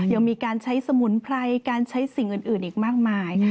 ยังมีการใช้สมุนไพรการใช้สิ่งอื่นอีกมากมาย